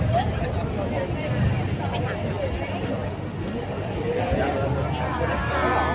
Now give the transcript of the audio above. โชคดีครับ